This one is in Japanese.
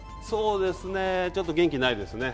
ちょっと元気ないですね。